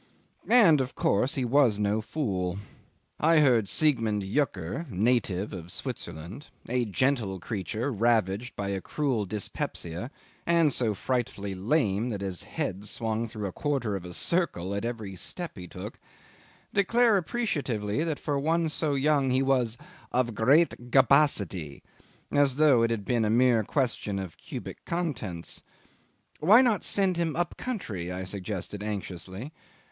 And, of course, he was no fool. I heard Siegmund Yucker (native of Switzerland), a gentle creature ravaged by a cruel dyspepsia, and so frightfully lame that his head swung through a quarter of a circle at every step he took, declare appreciatively that for one so young he was "of great gabasidy," as though it had been a mere question of cubic contents. "Why not send him up country?" I suggested anxiously.